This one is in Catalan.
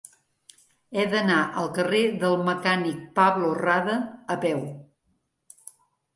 He d'anar al carrer del Mecànic Pablo Rada a peu.